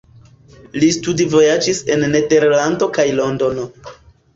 Li studvojaĝis en Nederlando kaj Londono.